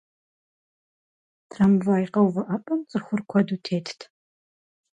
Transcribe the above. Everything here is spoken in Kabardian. Трамвай къэувыӀэпӀэм цӀыхур куэду тетт.